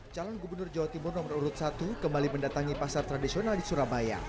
calon gubernur jawa timur nomor urut satu kembali mendatangi pasar tradisional di surabaya